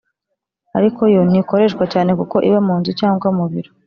ariko yo ntikoreshwa cyane kuko iba mu nzu cyangwa mu biro